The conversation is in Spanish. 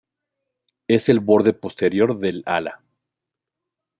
Es el borde posterior del ala.